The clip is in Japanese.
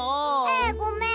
えごめん。